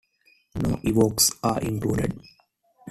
No Ewoks are included.